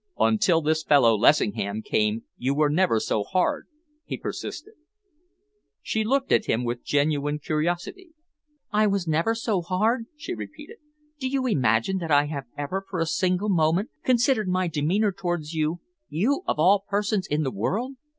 "Until this fellow Lessingham came you were never so hard," he persisted. She looked at him with genuine curiosity. "I was never so hard?" she repeated. "Do you imagine that I have ever for a single moment considered my demeanour towards you you of all persons in the world?